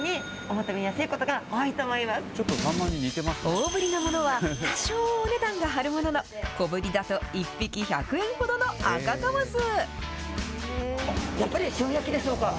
大ぶりのものは、多少お値段が張るものの、小ぶりだと１匹１００円ほどのアカカマス。